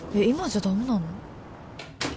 今じゃダメなの？